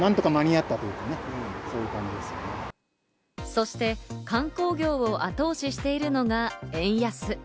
そして観光業を後押ししているのが円安。